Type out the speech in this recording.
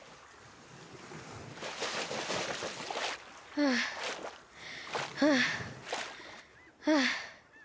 はあはあはあ。